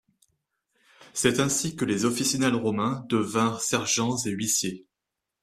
C'est ainsi que les officinales romains devinrent sergents et huissiers.